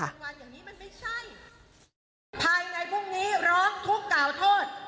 ภายในพรุ่งนี้ร้องทุกข่าวโทษ